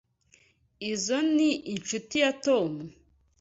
Izoi ni inshuti yacu Tom.